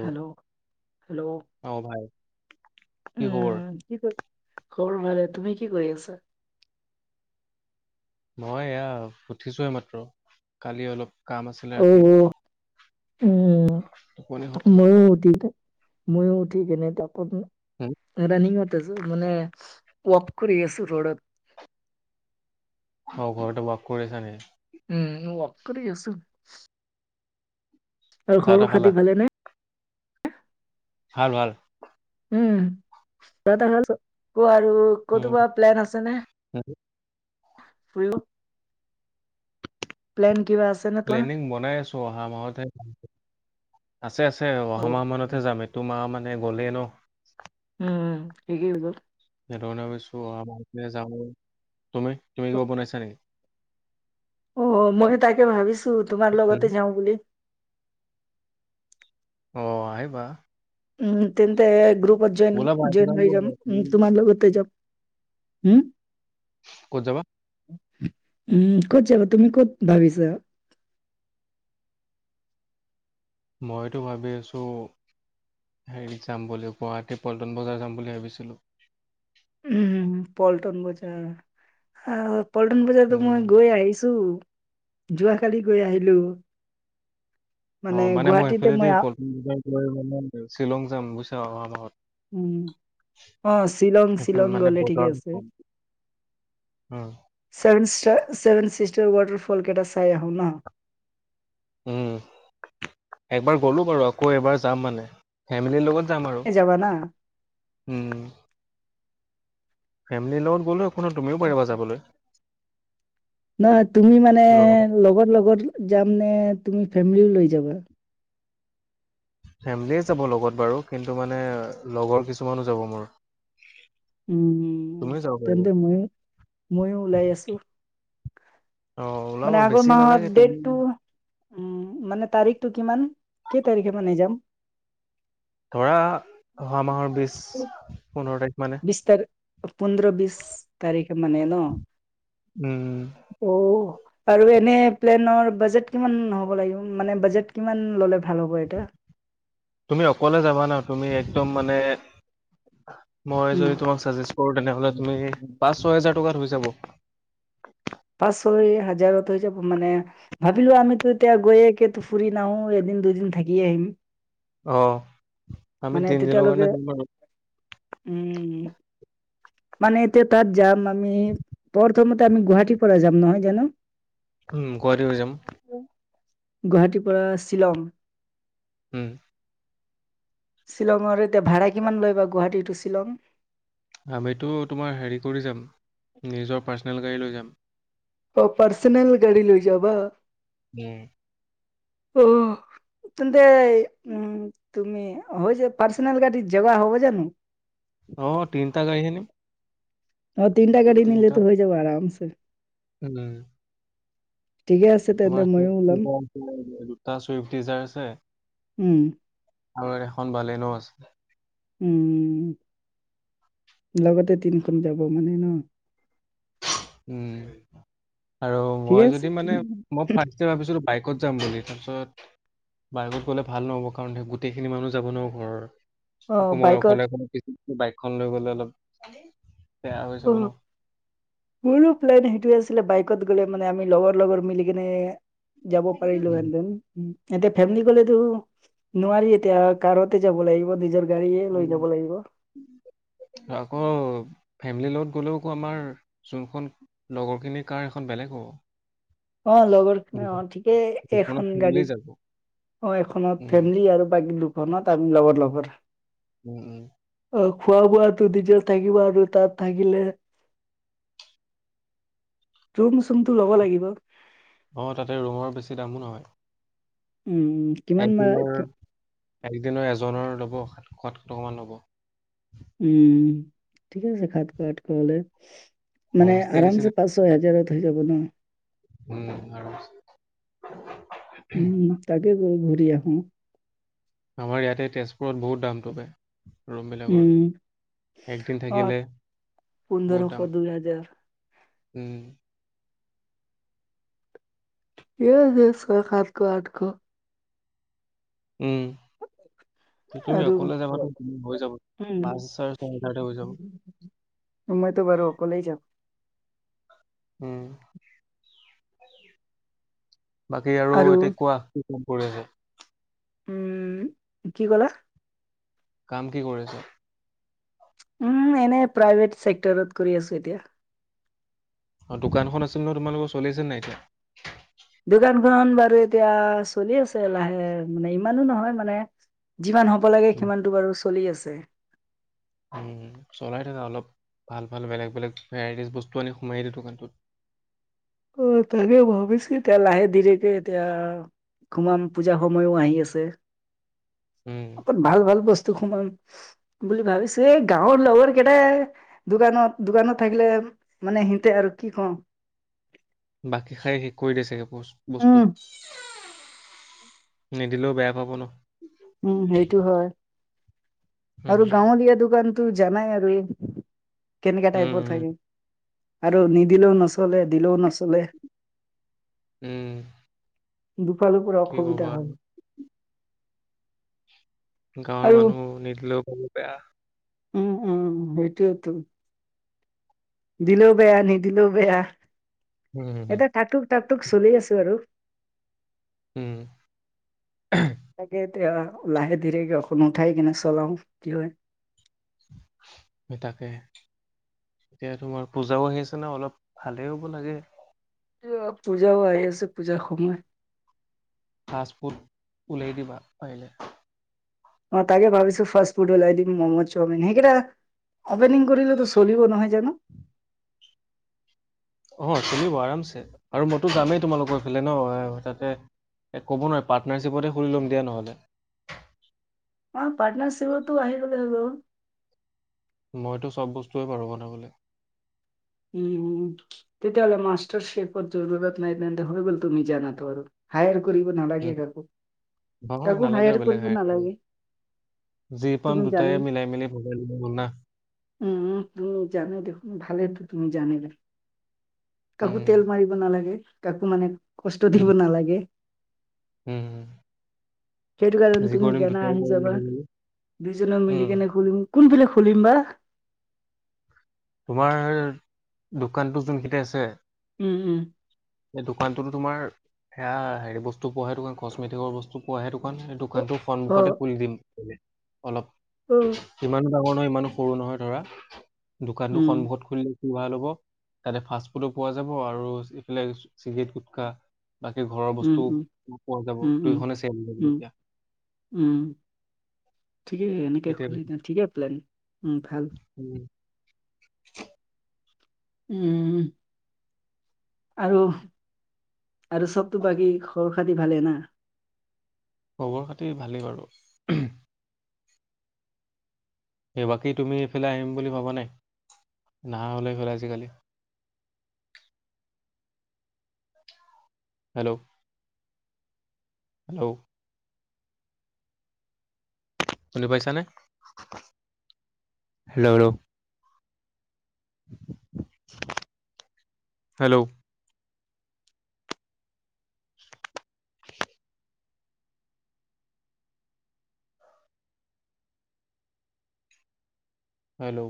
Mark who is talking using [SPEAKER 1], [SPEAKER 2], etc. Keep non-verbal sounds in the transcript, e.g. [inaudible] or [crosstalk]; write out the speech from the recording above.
[SPEAKER 1] Hello hello
[SPEAKER 2] অ ভাই কি খবৰ
[SPEAKER 1] খৰ ভালে তুমি কি কৰি আছা
[SPEAKER 2] মই এয়া উঠিছোোৱে মাত্ৰ কালি অলপ কাম আছিলে
[SPEAKER 1] অ
[SPEAKER 2] ৰাতি
[SPEAKER 1] উম
[SPEAKER 2] টোপনি খতি
[SPEAKER 1] ময়ো দিম ময়ো উঠি কেনে তাকত ৰাণঙত মানে কপ কৰি আছো ৰদত
[SPEAKER 2] অ ঘৰতেো বাস কৰি আছা নে
[SPEAKER 1] উম অকৰে আছো আৰু
[SPEAKER 2] চাহ
[SPEAKER 1] সৰুৰ
[SPEAKER 2] তাহ খালা
[SPEAKER 1] খাতি ভালে নাই
[SPEAKER 2] ভাল ভাল
[SPEAKER 1] ক' আৰু
[SPEAKER 2] উম
[SPEAKER 1] ক'তোবা প্লেন আছে ন
[SPEAKER 2] উম।
[SPEAKER 1] [unintelligible]
[SPEAKER 2] প্লেনিং বনাই আছো অহা মাহতহে আছে আছে
[SPEAKER 1] অ
[SPEAKER 2] অহা মাহ মানতহে যাম এইটোোমা মানে গ'লেই ন
[SPEAKER 1] উম সেইিকেই গল
[SPEAKER 2] সেইৰণে কৈছোঁ অ আমাৰ যম গে তুমি তুমি কিবা বনাইছা নেকি
[SPEAKER 1] অ মই তাকে ভাবিছো তোমাৰ
[SPEAKER 2] হুম
[SPEAKER 1] লগতে যাওঁ বুলি
[SPEAKER 2] অ আহিবা
[SPEAKER 1] উম তে গ্ৰুপত জন
[SPEAKER 2] ওলাবা এইটো
[SPEAKER 1] জইন
[SPEAKER 2] কাম
[SPEAKER 1] হৈ যাম
[SPEAKER 2] কৰিবা, তুমি
[SPEAKER 1] তুমাৰ লগত যাম হম
[SPEAKER 2] ক'ত যাবা
[SPEAKER 1] উম ক'ত যাবা তুমি ক'ত ভাবিছা
[SPEAKER 2] মইতো ভাবি আছো হেৰিত যাম বুলি গুৱাহাটী পল্টন বজাৰ যাম বুলি ভাবিছিলোঁ
[SPEAKER 1] উম, পল্টন পল্টন বজাৰতো
[SPEAKER 2] উম
[SPEAKER 1] মই গৈ আহিছো যোৱাকালি গৈ আহিলো
[SPEAKER 2] অ মানে মই এইফালেদি পম বজাৰ লৈ শ্বিলং যাম বুইছা অহা মাহত
[SPEAKER 1] উম অ শ্বিলং
[SPEAKER 2] সেইফালে
[SPEAKER 1] শ্বিলং
[SPEAKER 2] মানে
[SPEAKER 1] গলে ঠিকে
[SPEAKER 2] বজাৰ
[SPEAKER 1] আছে
[SPEAKER 2] উম
[SPEAKER 1] চেভেনচিষ্টাৰ ৱাটাৰ ফল কেইটা চাই হ ন
[SPEAKER 2] উম একবাৰ গলো বাৰু আকৌ এবাৰ যাম মানে ফেমিলিৰ লগত। যাম আৰু
[SPEAKER 1] এ, যাবা না?
[SPEAKER 2] উম ফেমিলি লগত গ'লো একো ন আৰু তুমিও পাৰিবা যাবলৈ।
[SPEAKER 1] নহ তুমি মানে
[SPEAKER 2] লৰা
[SPEAKER 1] লগৰ লগত যাম নে তুমি ফেমিলিও লৈ যাবা
[SPEAKER 2] ফেমিলীয়ে যাব লগত বাৰু কিন্তু মানে লগৰ কিছুমানো যাব মোৰ
[SPEAKER 1] উম
[SPEAKER 2] তুমিও যাব পাৰিবা
[SPEAKER 1] তেন্তে ময়ো ময়ো ওলাই আছো
[SPEAKER 2] অ'
[SPEAKER 1] মানে
[SPEAKER 2] ওলাবা
[SPEAKER 1] আগৰ
[SPEAKER 2] বেছি
[SPEAKER 1] মাহত
[SPEAKER 2] নালাগে তুমি
[SPEAKER 1] ডেটটো উম মানে তাৰিখটো কিমান কেই তাৰিখে মানে যাম।
[SPEAKER 2] ধৰা অহা মাহৰ বিশ পোন্ধৰ তাৰিখ। মানে
[SPEAKER 1] বিস্তাৰ। পোন্ধৰ বিশছ তাৰিখে মানে ন।
[SPEAKER 2] উম
[SPEAKER 1] অ', আৰু এনে। প্লেনৰ বাজেট কিমান হব লাগিব? বাজেট কিমান ললে ভাল। হ'ব এটা?
[SPEAKER 2] তুমি অকলে যাবা না তুমি একদম মানে। মই
[SPEAKER 1] উম।
[SPEAKER 2] যদি তোমাক ছাজেশ্য কৰো, তেনেহলে তুমি পাঁচ ছয় হেজাৰ টকাত হৈ যাব।
[SPEAKER 1] পাঁচ ছয় হাজাৰত হৈ যাব মানে ভাবিলো আমিতো এতিয়া গৈয়ে কে ফুৰি নাহো এদিন। দুদিন থাকিয়ে আহিম।
[SPEAKER 2] আহ আমি
[SPEAKER 1] মানে
[SPEAKER 2] তিনিদনৰ
[SPEAKER 1] তেতিয়ালৈকে
[SPEAKER 2] কাৰণে য
[SPEAKER 1] উম। মানে এতিয়া তাত যাম, আমি প্ৰথমতে আমি গুৱাহাটীৰ পৰা যাম নহয় জানো?
[SPEAKER 2] উম গুৱাহাটীৰ পৰা যাম।
[SPEAKER 1] গুৱাহাটীৰ পৰা শ্বিলং।
[SPEAKER 2] হম।
[SPEAKER 1] শ্বিলঙৰ এতিয়া ভাড়া কিমান লৈ বা গুৱাহাটী টু শ্বিলং।
[SPEAKER 2] আমিতো তোমাৰ হেৰি কৰি যাম নিজৰ পাৰ্চনেল গাড়ী লৈ যাম।
[SPEAKER 1] অ পাৰ্চনেল গাড়ী লৈ যাব?
[SPEAKER 2] উম।
[SPEAKER 1] আহ। তেন্তে উম, তুমি হয় যে পাৰ্চনল গাড়ীত জবা হব জানো।
[SPEAKER 2] অ', তিনিটা গাড়ী হে নিম।
[SPEAKER 1] অ' তিনিটা গাড়ী নিলে
[SPEAKER 2] তিনিটা
[SPEAKER 1] তো হৈ যাব আৰামছে।
[SPEAKER 2] উম।
[SPEAKER 1] ঠিকে আছে তেন্তে ময়ো ওলাম
[SPEAKER 2] তোমাৰা দুটা চুইফট দিজাৰ আছে।
[SPEAKER 1] উম,
[SPEAKER 2] আৰু এখন বালনো আছে।
[SPEAKER 1] উম উম। লগতে তিনিখন যাব মানে ন।
[SPEAKER 2] উম আৰু
[SPEAKER 1] ঠিকে
[SPEAKER 2] মই
[SPEAKER 1] আছে।
[SPEAKER 2] যদি মানে
[SPEAKER 1] তিনি
[SPEAKER 2] মই ফাৰ্ষ্টটে ভাবিছিলো বাই বাইকত যাম বুলি তাৰপিছত বাইকত গ'লে ভাল নহব কাৰণ গোটেই খিনি মানুহ যাব নোৱাৰো ঘৰৰ।
[SPEAKER 1] অ'
[SPEAKER 2] আকৌ মই
[SPEAKER 1] বাইকত
[SPEAKER 2] অকলে অকলে পিছ বাইকখন লৈ গলে অলপ। বেয়া হৈ যাব
[SPEAKER 1] অ'
[SPEAKER 2] ন।
[SPEAKER 1] মোৰো প্লেন সেইটোৱে আছিলে। বাইকত গ'লে মানে আমি লগৰ লগৰ মিলি কেনে। যাব পাৰিলো হেতেন। এতিয়া ফেমিলি গ'লেতো নোৱাৰি এতিয়া কাৰতে যাব লাগিব নিজৰ। গাড়ীয়ে লৈ যাব লাগিব
[SPEAKER 2] আকৌ। ফেমিলিৰ লগত গ'লেওকো আমাৰ যোনখন লগৰখিনিৰ কাৰ এেইখন বেলেগ হ'ব।
[SPEAKER 1] অ' লগৰখ অ ঠিকেই
[SPEAKER 2] দুখনত
[SPEAKER 1] এখন
[SPEAKER 2] ফেমিলি
[SPEAKER 1] গাড়ীত।
[SPEAKER 2] যাব।
[SPEAKER 1] অ' এখনত
[SPEAKER 2] উম,
[SPEAKER 1] ফেমিলি আৰু বাকী দুখনত আমি লগৰ লগৰ।
[SPEAKER 2] উম উম।
[SPEAKER 1] অ, খোৱা বোৱাতো নিজৰ থাকিব আৰু তাত থাকিলে ৰুম চুমটো ল'ব লাগিব।
[SPEAKER 2] অ, তাতে ৰুমৰ বেছি দামো নহয়।
[SPEAKER 1] উম, কিমান মা
[SPEAKER 2] একদিনৰ একদিনৰ এজনৰ ল'ব সাতশ আঠশ টকামান ল'ব।
[SPEAKER 1] উম, ঠিক আছে সাতশ আঠশ হলে। মানে
[SPEAKER 2] হোম ষ্টে
[SPEAKER 1] আৰাম
[SPEAKER 2] নিচিনা।
[SPEAKER 1] যে পাচ ছয় হাজাৰত হৈ যাব ন।
[SPEAKER 2] উম, আৰামচে।
[SPEAKER 1] উম, তাকে গৈ ঘূৰি আহো।
[SPEAKER 2] আমাৰ ইয়াতে তেজপুৰত বহুত দামটোবে। ৰুমবিলাকৰ,
[SPEAKER 1] উম।
[SPEAKER 2] একদিন
[SPEAKER 1] অ,
[SPEAKER 2] থাকিলে। বহুত
[SPEAKER 1] পোন্ধৰশ
[SPEAKER 2] দাম।
[SPEAKER 1] দুই হাজাৰ।
[SPEAKER 2] উম,
[SPEAKER 1] দিয়ে - দিয়ে চয় সাতশ আঠশ।
[SPEAKER 2] উম,
[SPEAKER 1] এ
[SPEAKER 2] তুমি
[SPEAKER 1] আৰু
[SPEAKER 2] অকলে যাবাতো হৈ যাব।
[SPEAKER 1] উম,
[SPEAKER 2] পাঁচ হাজাৰ ছয় হাজাৰতে হৈ যাব।
[SPEAKER 1] মইতো বাৰু অকলেই যাম।
[SPEAKER 2] উম, বাকী আৰু এতিয়া কোৱা, কি কাম কৰি আছা?
[SPEAKER 1] উম, কি ক'লা?
[SPEAKER 2] কাম কি কৰি আছা।
[SPEAKER 1] উম, এনে প্ৰাইভেট চেক্টৰত কৰি আছো এতিয়া।
[SPEAKER 2] দোকানখন আছিল নহয় তোমালোকৰ, চলি আছে নে নাই এতিয়া?
[SPEAKER 1] দোকানখন বাৰু এতিয়া চলি আছে লাহে, মানে ইমানো নহয় মানে। যিমান হ'ব লাগে
[SPEAKER 2] উম
[SPEAKER 1] সিমানটো বাৰু চলি আছে।
[SPEAKER 2] উম, চলাই থাকা অলপ ভাল - ভাল বেলেগ - বেলেগ ভেৰাইটিজ বস্তু আনি সুমুৱাই দিয়া দোকানটোত। [inaudible]
[SPEAKER 1] অ, তাকেই ভাবিছো এতিয়া লাহে ধীৰেকে এতিয়া খুমাম, পূজা সময়ো আহি আছে।
[SPEAKER 2] উম
[SPEAKER 1] আপত ভাল - ভাল বস টো খোমাম বুলি ভাবিছো। এই গাৱৰ লগৰ কেইটাই দোকানত - দোকানত থাকিলে মানে সিহতে আৰু কি কও।
[SPEAKER 2] [inaudible] বাকী খাই শেষ কৰি দিয়ে চাগে বচ বস্তু।
[SPEAKER 1] উম
[SPEAKER 2] নিদিলেও বেয়া পাব নহ।
[SPEAKER 1] উম, সেইটো হয়।
[SPEAKER 2] উম
[SPEAKER 1] আৰু
[SPEAKER 2] উম
[SPEAKER 1] গাৱলীয়া দোকানতো জানাই আৰু, কেনেকা টাইপৰ
[SPEAKER 2] উম
[SPEAKER 1] থাকে। আৰু নিদিলেও নচলে, দিলেও নচলে।
[SPEAKER 2] উম,
[SPEAKER 1] দুফালৰ পৰা
[SPEAKER 2] কি ক'বা
[SPEAKER 1] অসুবিধা
[SPEAKER 2] আৰু
[SPEAKER 1] হয়।
[SPEAKER 2] গাৱৰ
[SPEAKER 1] আৰু
[SPEAKER 2] মানুহ, নিদিলেও পাব বেয়া।
[SPEAKER 1] উম - উম সেইটোয়েইটো। দিলেও বেয়া, নিদিলেও বেয়া।
[SPEAKER 2] উম হুম, হুম,
[SPEAKER 1] এটা টাকটুক টাকটুক চলি আছো আৰু।
[SPEAKER 2] উম,
[SPEAKER 1] তাকে এতিয়া লাহে ধীৰেকে উঠাই কিনে চলাও, কি হয়।
[SPEAKER 2] সেই তাকেহে। এতিয়া তোমাৰ পূজাও আহি আছে না, অলপ ভালেই হ'ব লাগে।
[SPEAKER 1] এতিয়া পূজাও আহি আছে, পূজাৰ সময়।
[SPEAKER 2] ফাষ্টফুট উলিয়াই দিবা পাৰিলে।
[SPEAKER 1] অ, তাকেই ভাবিছো ফাষ্ট ফুড ওলাই দিম মম চাওমিন। সেইকেইটা অপেনিং কৰিলে তো চলিব, নহয় জানো?
[SPEAKER 2] [inaudible] অ, চলিব আৰামছে আৰু মইতো যামেই তোমালোকৰ ফালে ন তাতে এ ক'ব নোৱাৰি পাৰ্টনাৰশ্বিপতে খুুলি ল'ম দিয়া নহ'লে।
[SPEAKER 1] অ, পাৰ্টনাৰশিপতো আহি গ'লেই হৈ গ'ল।
[SPEAKER 2] মইতো চব বস্তুৱেই পাৰোঁ বনাবলে।
[SPEAKER 1] উম, তেতিয়াহলে মাষ্টাৰ শেপত জৰুৰত নাই, তেন্তে হৈ গ'ল তুমি জানাতো আৰু হায়াৰ কৰিব
[SPEAKER 2] উম
[SPEAKER 1] নালাগে
[SPEAKER 2] নহয়
[SPEAKER 1] কাকো-কাকো
[SPEAKER 2] নালাগে আৰু
[SPEAKER 1] হায়াৰ
[SPEAKER 2] বেলেগ
[SPEAKER 1] কৰিব নালাগে।
[SPEAKER 2] যি পাম
[SPEAKER 1] তুমি
[SPEAKER 2] দুটায়েই মিলাই মিলি ভগাই ল'লেই হ'ল না।
[SPEAKER 1] উম-উম, জানো দেখোন ভালেই তো। তুমি জানিবা, কাকো
[SPEAKER 2] উম
[SPEAKER 1] তেল মাৰিব নালাগে কাকো মানে কষ্ট দিব
[SPEAKER 2] উম
[SPEAKER 1] নালাগে।
[SPEAKER 2] উম,
[SPEAKER 1] সেইটো কাৰণে
[SPEAKER 2] যি
[SPEAKER 1] তুমি
[SPEAKER 2] কৰিম
[SPEAKER 1] জানা
[SPEAKER 2] দুটাই
[SPEAKER 1] আহি
[SPEAKER 2] কৰিম
[SPEAKER 1] যাবা
[SPEAKER 2] মিলি মিলি
[SPEAKER 1] দুইজনক মিলি
[SPEAKER 2] উম
[SPEAKER 1] কেনে ঘুৰিম। কোনফালে খুলিম বা?
[SPEAKER 2] তোমাৰ দোকানটো যোন দোকানতো যুনপিতে আছে।
[SPEAKER 1] উম-উম।
[SPEAKER 2] এই দোকানটোতো তোমাৰ সেয়া হেৰি বস্তু পোৱাহে দোকান কচমেটিকৰ বস্তু পোৱাহে দোকান। দোকানটোৰ
[SPEAKER 1] অ
[SPEAKER 2] সন্মুখতে খুলি দিম, অলপ
[SPEAKER 1] অ
[SPEAKER 2] কিমান ডাঙৰ নহয় ইমানো সৰু নহয় ধৰা, দোকানতো
[SPEAKER 1] উম
[SPEAKER 2] সন্মুখত খুলি ভাল হ'ব, তাতে ফাষ্ট ফুডো পোৱা যাব আৰু এইফালে চিগাৰেট গুটখা। বাকী ঘৰৰ
[SPEAKER 1] উম,
[SPEAKER 2] বস্তুও
[SPEAKER 1] উম,
[SPEAKER 2] পোৱা যাব,
[SPEAKER 1] উম, উম,
[SPEAKER 2] দুইখনে চেল লাগিব
[SPEAKER 1] উম,
[SPEAKER 2] তেতিয়া।
[SPEAKER 1] উম, ঠিকেই এনেকে
[SPEAKER 2] তেতিয়া
[SPEAKER 1] খুলি
[SPEAKER 2] বেছি।
[SPEAKER 1] দিয়া, ঠিকে প্লেন উম, ভাল।
[SPEAKER 2] উম,
[SPEAKER 1] উম। আৰু আৰু চবটো বাকী খবৰ-খাতি ভালে না?
[SPEAKER 2] খবৰ-খাতি ভালেই বাৰু। এ বাকী তুমি এইফালে আহিম বুলি ভবা নাই? নাহা হ'লা এইফালে আজিকালি। [inaudible] Hello hello. শুনি পাইছানে, হেল্ল' হেল্ল'। হেল্ল'। হেল্ল'।